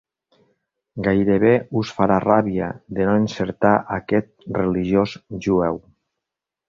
Gairebé us farà ràbia de no encertar aquest religiós jueu.